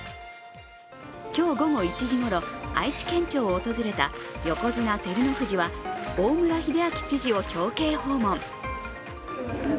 今日午後１時ごろ愛知県庁を訪れた横綱・照ノ富士は大村秀章知事を表敬訪問。